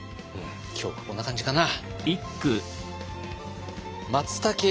今日はこんな感じかな。